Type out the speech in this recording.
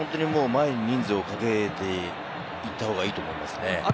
前に人数をかけていったほうがいいと思いますね。